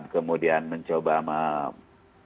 kemudian mencoba membangun teknologi digital